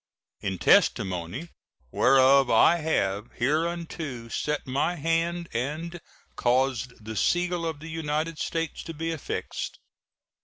In testimony whereof I have hereunto set my hand and caused the seal of the United States to be affixed.